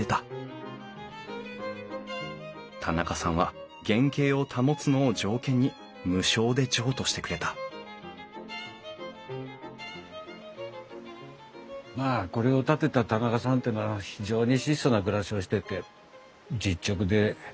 田仲さんは原形を保つのを条件に無償で譲渡してくれたまあこれを建てた田仲さんっていうのは非常に質素な暮らしをしてて実直でまあ家族思い。